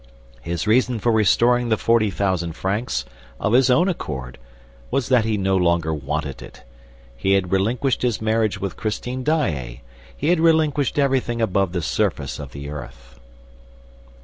His reason for restoring the forty thousand francs, of his own accord, was that he no longer wanted it. He had relinquished his marriage with Christine Daae. He had relinquished everything above the surface of the earth."